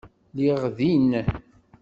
Lliɣ din.